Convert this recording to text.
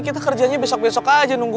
kita kerjanya besok besok aja nunggu